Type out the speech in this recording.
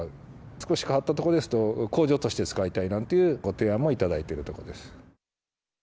少し変わったところですと、工場として使いたいなんていうご提案も頂いているところです。